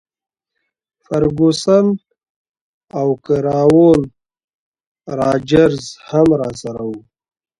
فرګوسن او کراول راجرز هم راسره وو.